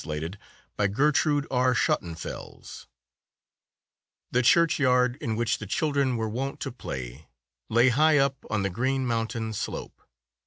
THE DESERTED GRAVE The churchyard, in which the children were wont to play, lay high up on the green mountain slope.